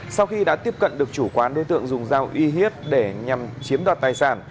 sau khi đã tiếp cận được chủ quán đối tượng dùng dao uy hiếp để nhằm chiếm đoạt tài sản